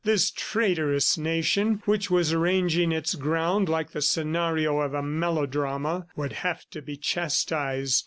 This traitorous nation, which was arranging its ground like the scenario of a melodrama, would have to be chastised.